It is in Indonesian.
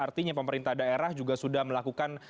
artinya pemerintah daerah juga sudah melakukan